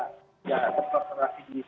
tidak akan konsentrasi di satu dua daerah